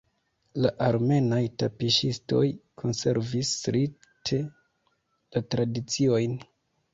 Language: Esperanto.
La armenaj tapiŝistoj konservis strikte la tradiciojn.